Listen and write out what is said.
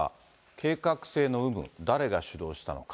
計画性の有無、誰が主導したのか。